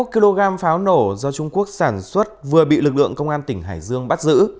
một kg pháo nổ do trung quốc sản xuất vừa bị lực lượng công an tỉnh hải dương bắt giữ